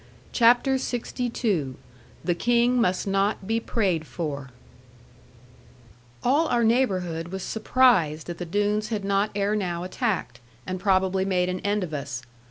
CHAPTER LXII THE KING MUST NOT BE PRAYED FOR All our neighbourhood was surprised that the Doones had not ere now attacked, and probably made an end of us.